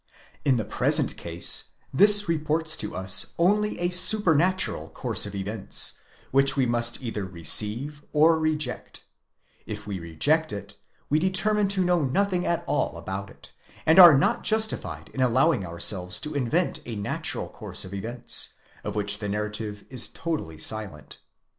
In the present case, this reports to us only a supernatural course of events, which we must either receive or reject : if we reject it, we determine to know nothing at all about it, and are not justified in allowing ourselves to invent a natural course of events, of which the narrative is totally silent.